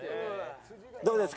どうですか？